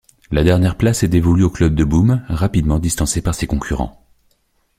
La dernière place est dévolue au club de Boom, rapidement distancé par ses concurrents.